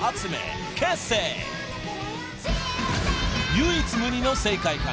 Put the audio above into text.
［唯一無二の世界観。